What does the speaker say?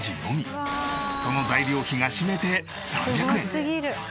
その材料費が締めて３００円。